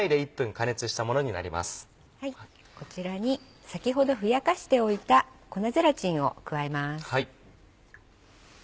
こちらに先ほどふやかしておいた粉ゼラチンを加えます。